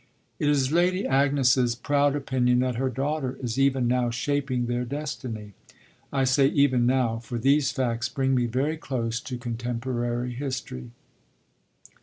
It is Lady Agnes's proud opinion that her daughter is even now shaping their destiny. I say "even now," for these facts bring me very close to contemporary history.